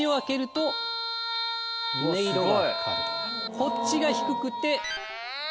こっちが低くて。